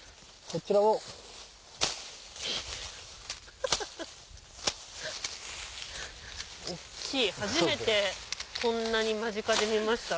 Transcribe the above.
大っきい初めてこんなに間近で見ました。